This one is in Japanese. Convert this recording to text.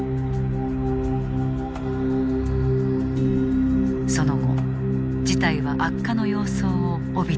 その後事態は悪化の様相を帯びていく。